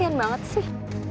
kasian banget sih